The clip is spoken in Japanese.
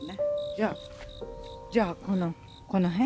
じゃあじゃあこの辺？